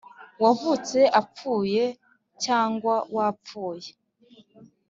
Wavutse apfuye cyangwa wapfuye